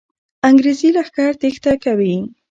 انګریزي لښکر تېښته کوي.